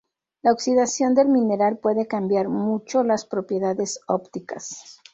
La oxidación del mineral puede cambiar mucho las propiedades ópticas.